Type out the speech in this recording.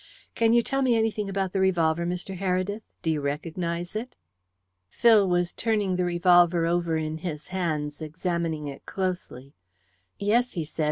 Can you tell me anything about the revolver, Mr. Heredith? Do you recognize it?" Phil was turning the revolver over in his hands, examining it closely. "Yes," he said.